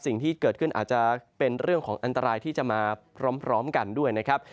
สิ่งที่เกิดขึ้นอาจจะเป็นเรื่องของอันตรายที่จะมาพร้อมกันด้วยนะครับ